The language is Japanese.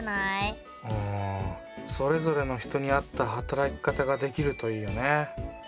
うんそれぞれの人に合った働き方ができるといいよね。